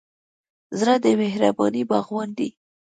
زړه د مهربانۍ باغوان دی.